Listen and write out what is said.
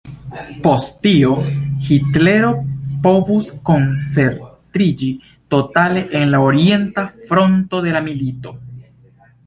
Post tio, Hitlero povus koncentriĝi totale en la Orienta Fronto de la milito.